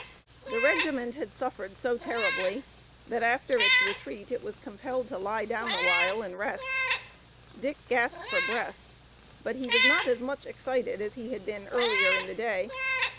The regiment had suffered so terribly that after its retreat it was compelled to lie down a while and rest. Dick gasped for breath, but he was not as much excited as he had been earlier in the day.